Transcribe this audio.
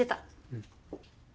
うん。